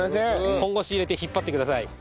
本腰入れて引っ張ってください。